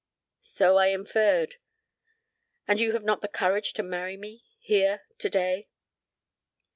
"So I inferred. And you have not the courage to marry me here today?"